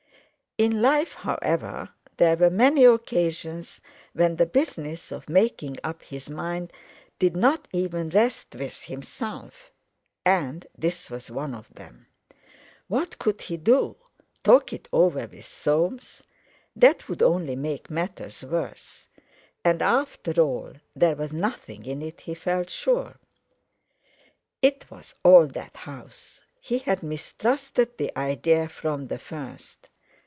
In life, however, there were many occasions when the business of making up his mind did not even rest with himself, and this was one of them. What could he do? Talk it over with Soames? That would only make matters worse. And, after all, there was nothing in it, he felt sure. It was all that house. He had mistrusted the idea from the first.